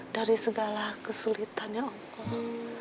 dari segala kesulitan ya allah